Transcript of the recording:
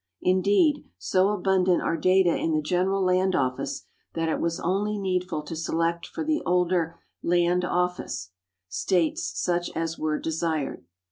Indeed, so abundant are data in the General Land Office that it was only needful to select for the older " land office " Stales such as were desired.